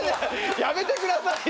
やめてくださいよ！